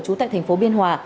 chú tại tp biên hòa